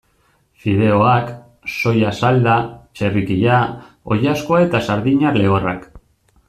Fideoak, soia salda, txerrikia, oilaskoa eta sardina lehorrak.